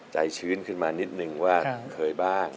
ชื้นขึ้นมานิดนึงว่าเคยบ้าง